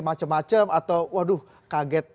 macem macem atau waduh kaget